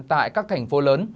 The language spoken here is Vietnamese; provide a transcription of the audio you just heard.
tại các thành phố lớn